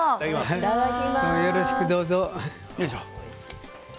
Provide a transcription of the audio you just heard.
よろしくどうぞ。